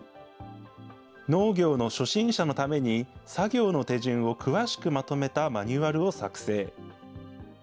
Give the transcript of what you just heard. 農業の初心者のために、作業の手順を詳しくまとめたマニュアルを作成。